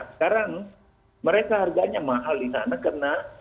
sekarang mereka harganya mahal di sana karena